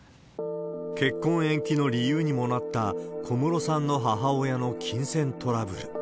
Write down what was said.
結婚延期の理由にもなった小室さんの母親の金銭トラブル。